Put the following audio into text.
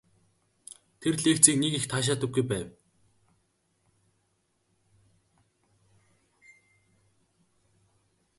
Тэр лекцийг нэг их таашаадаггүй байв.